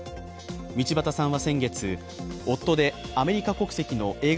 道端さんは先月、夫でアメリカ国籍の映画